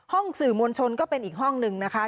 สื่อมวลชนก็เป็นอีกห้องนึงนะคะ